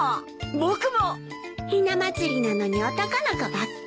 ひな祭りなのに男の子ばっかり。